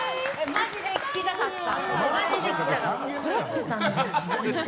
マジで聴きたかった。